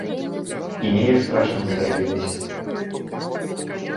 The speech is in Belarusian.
І неяк страшна мне зрабілася.